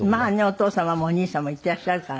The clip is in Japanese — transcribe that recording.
お父様もお兄様も行っていらっしゃるからね。